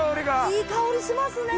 いい香りしますね。